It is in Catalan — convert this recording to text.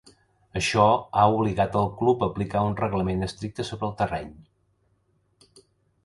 Això ha obligat el club a aplicar un reglament estricte sobre el terreny.